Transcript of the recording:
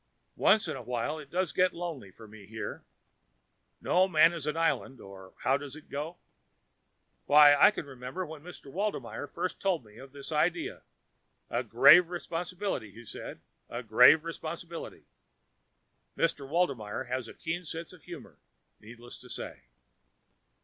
Once in a while it does get lonely for me here no man is an island, or how does it go? Why, I can remember when Mr. Waldmeyer first told me of this idea. 'A grave responsibility,' he said, 'a grave responsibility.' Mr. Waldmeyer has a keen sense of humor, needless to say."